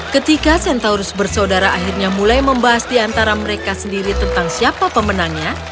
ketika centaurus bersaudara akhirnya mulai membahas di antara mereka sendiri tentang siapa pemenangnya